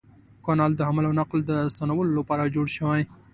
کانال د حمل او نقل د اسانولو لپاره جوړ شوی.